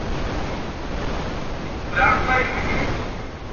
که ته واکمن يې نو له زغمه کار واخله.